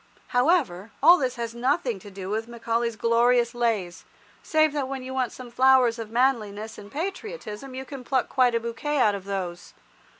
However, all this has nothing to do with Macaulay's glorious lays, save that when you want some flowers of manliness and patriotism you can pluck quite a bouquet out of those.